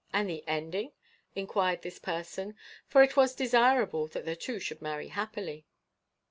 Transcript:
"And the ending?" inquired this person, for it was desirable that the two should marry happily.